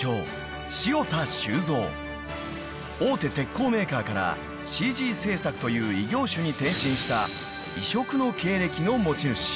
［大手鉄鋼メーカーからＣＧ制作という異業種に転身した異色の経歴の持ち主］